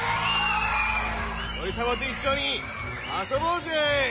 おれさまといっしょにあそぼうぜ。